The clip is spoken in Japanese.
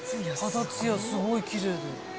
肌つやすごいきれいで。